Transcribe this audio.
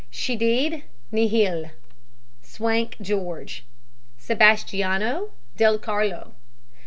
SCHEDID, NIHIL. SWANK, GEORGE. SEBASTIANO, DEL CARLO.